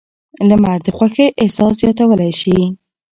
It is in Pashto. لمر د خوښۍ احساس زیاتولی شي.